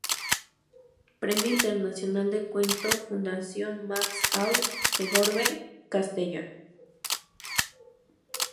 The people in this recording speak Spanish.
Premio Internacional de Cuento, Fundación Max Aub, Segorbe, Castellón.